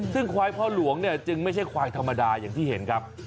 ซึ่งควายพ่อหลวงเนี่ยจึงไม่ใช่ควายธรรมดาอย่างที่เห็นครับ